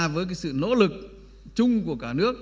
với cái sự nỗ lực chung của cả nước